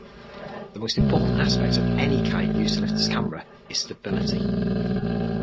The most important aspect of any kite used to lift a camera is stability.